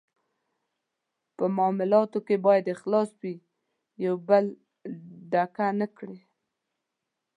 په معالاتو کې باید اخلاص وي، یو بل ډیکه نه کړي.